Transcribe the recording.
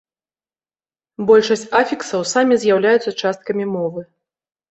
Большасць афіксаў самі з'яўляюцца часткамі мовы.